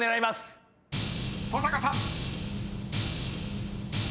［登坂さん］